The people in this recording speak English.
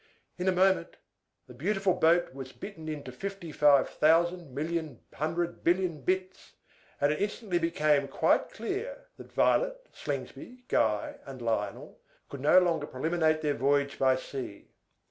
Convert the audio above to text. In a moment, the beautiful boat was bitten into fifty five thousand million hundred billion bits; and it instantly became quite clear that Violet, Slingsby, Guy, and Lionel could no longer preliminate their voyage by sea.